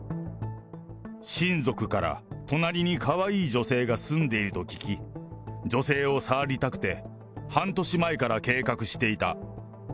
親族から隣にかわいい女性が住んでいると聞き、女性を触りたくて、半年前から計画していた。